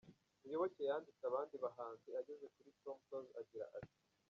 Muyoboke yanditse abandi bahanzi ageze kuri Tom Close agira ati: .